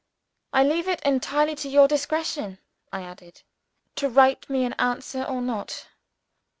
"I leave it entirely to your discretion" (I added) "to write me an answer or not.